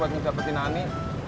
buat ngejapetin ani